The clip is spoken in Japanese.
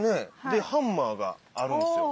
でハンマーがあるんですよ。